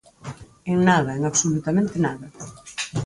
En nada, en absolutamente nada.